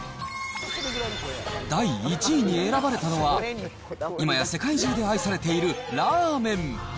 第１位に選ばれたのは、今や、世界中で愛されているラーメン。